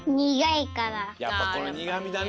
やっぱこのにがみだね。